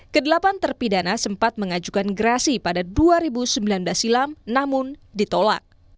kedelapan terpidana sempat mengajukan gerasi pada dua ribu sembilan belas silam namun ditolak